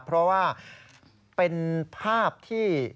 เพราะว่าเป็นภาพที่